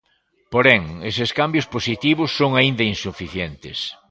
Porén, eses cambios, positivos, son aínda insuficientes.